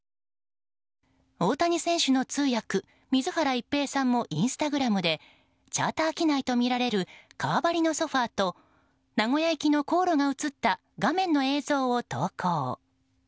大谷選手の通訳、水原一平さんもインスタグラムでチャーター機内とみられる革張りのソファと名古屋行きの航路が映った画面の映像を投稿。